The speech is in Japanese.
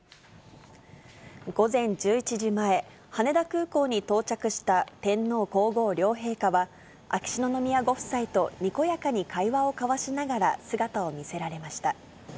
午前１１時前、羽田空港に到着した天皇皇后両陛下は、秋篠宮ご夫妻とにこやかに会話をかわしながら姿を見せられました。